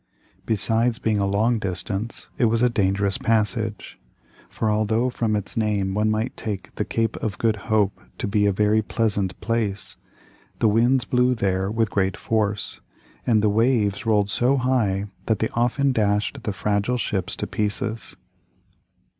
Besides being a long distance, it was a dangerous passage; for although from its name one might take the Cape of Good Hope to be a very pleasant place, the winds blew there with great force, and the waves rolled so high that they often dashed the fragile ships to pieces.